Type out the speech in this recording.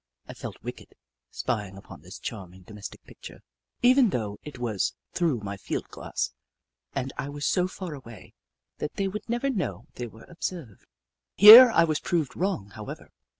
I felt wicked, spying upon this charming domestic picture, even though it was through my field glass and I was so far away that they would never know they were observed. Here I was proved wrong, however.